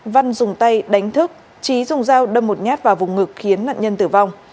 văn dùng tay đánh thức trí dùng dao đâm một nhát vào vùng ngực khiến nạn nhân tử vong